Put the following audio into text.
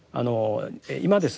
今ですね